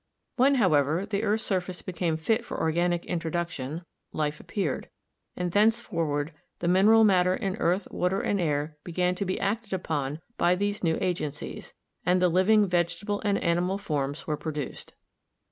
When, however, the earth's surface became fit for organic introduction life appeared, and thencefor ward the mineral matter in earth, water and air began to be acted upon by these new agencies, and the livingi vegetable and animal forms were produced.